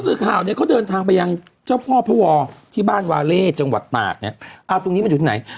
คือคนก็ต้องแบบจอดไหว้